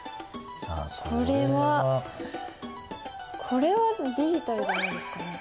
これはディジタルじゃないですかね。